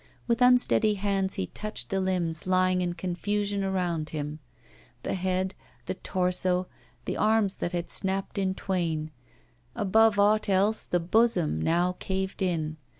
With unsteady hands he touched the limbs lying in confusion around him; the head, the torso, the arms that had snapped in twain; above aught else the bosom, now caved in.